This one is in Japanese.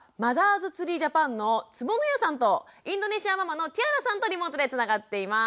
’ｓＴｒｅｅＪａｐａｎの坪野谷さんとインドネシアママのティアラさんとリモートでつながっています。